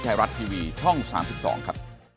ไทยรัฐทีวีช่อง๓๒ครับ